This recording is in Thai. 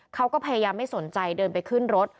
เขาก็พยายามไม่สนใจเดินไปขึ้นรถ